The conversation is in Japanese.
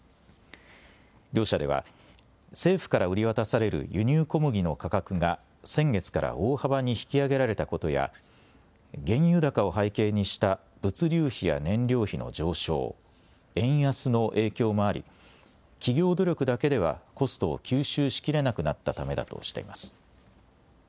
両社では政府から売り渡される輸入小麦の価格が先月から大幅に引き上げられたことや原油高を背景にした物流費や燃料費の上昇、円安の影響もあり企業努力だけではコストを吸収しきれなくなったためだとしています。